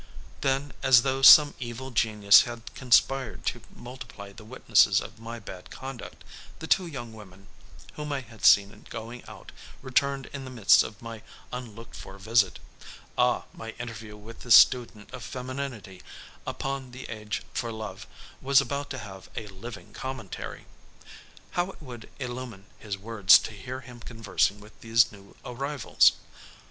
Then, as though some evil genius had conspired to multiply the witnesses of my bad conduct, the two young women whom I had seen going out, returned in the midst of my unlooked for visit. Ah, my interview with this student of femininity upon the Age for Love was about to have a living commentary! How it would illumine his words to hear him conversing with these new arrivals!